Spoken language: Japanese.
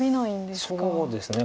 そうですね